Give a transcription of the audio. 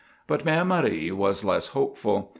But Mère Marie was less hopeful.